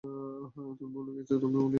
তুমি ভুলে গেছো, আমি ভুলি নি!